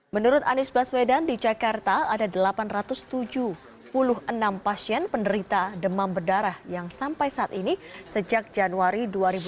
menurut anies baswedan di jakarta ada delapan ratus tujuh puluh enam pasien penderita demam berdarah yang sampai saat ini sejak januari dua ribu dua puluh